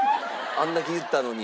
あれだけ言ったのに。